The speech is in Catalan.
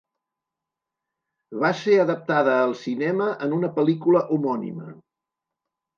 Va ser adaptada al cinema en una pel·lícula homònima.